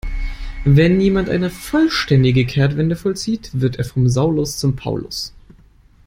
Wenn jemand eine vollständige Kehrtwende vollzieht, wird er vom Saulus zum Paulus.